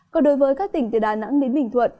còn đối với các tỉnh từ đà nẵng đến bình thuận